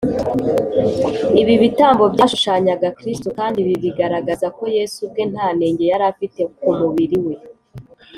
. Ibi bitambo byashushanyaga Kristo, kandi ibi bigaragaza ko Yesu ubwe nta nenge yari afite ku mubiri we